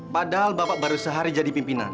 padahal bapak baru sehari jadi pimpinan